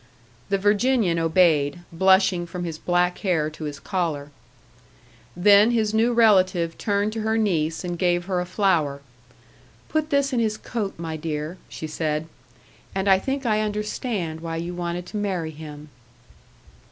The Virginian obeyed, blushing from his black hair to his collar. Then his new relative turned to her niece, and gave her a flower. "Put this in his coat, my dear," she said. "And I think I understand why you wanted to marry him."